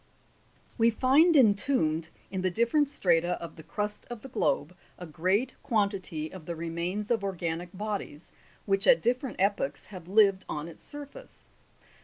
1. We find entombed in the different strata of the crust of the globe a great quantity of the remains of organic bodies, which at different epochs have lived on its surface.